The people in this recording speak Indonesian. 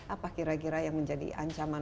apa kira kira yang menjadi ancaman